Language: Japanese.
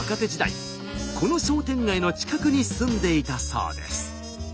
この商店街の近くに住んでいたそうです。